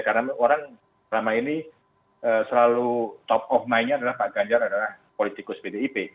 karena orang selama ini selalu top of mind nya adalah pak ganjar adalah politikus pt ip